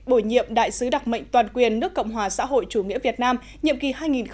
bổ nhiệm đại sứ đặc mệnh toàn quyền nước cộng hòa xã hội chủ nghĩa việt nam nhiệm kỳ hai nghìn một mươi sáu hai nghìn hai mươi